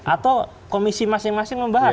atau komisi masing masing membahas